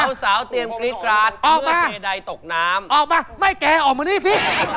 อ้อม่ะไม่เกราะออกมานี่ฟิ